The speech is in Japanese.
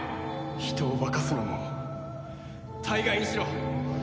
人を化かすのも大概にしろ！